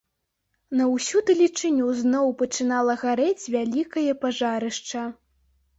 На ўсю далечыню зноў пачынала гарэць вялікае пажарышча.